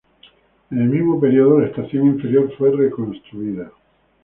En el mismo período, la estación inferior fue reconstruida.